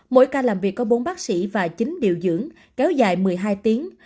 mỗi ca làm việc có bốn bác sĩ và chín điều dưỡng kéo dài một mươi hai tiếng